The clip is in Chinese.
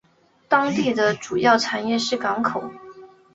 当地的主要产业是港口。